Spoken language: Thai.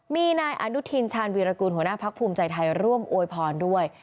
มีนายอนุทินชาญวีรกูลหัวหน้าพักภูมิใจไทยร่วมอวยพรด้วย